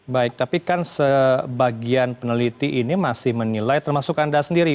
baik tapi kan sebagian peneliti ini masih menilai termasuk anda sendiri